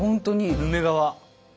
ヌメ革。